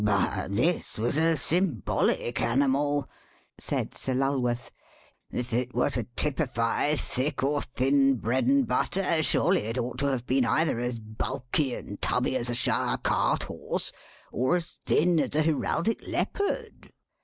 "But this was a symbolic animal," said Sir Lulworth; "if it were to typify thick or thin bread and butter surely it ought to have been either as bulky and tubby as a shire cart horse; or as thin as a heraldic leopard."